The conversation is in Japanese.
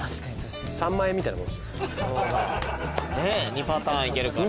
２パターンいけるから。